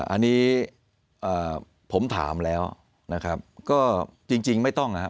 อันนี้ผมถามแล้วนะครับก็จริงไม่ต้องนะครับ